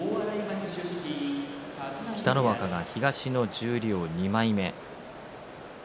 北の若が東の十両２枚目。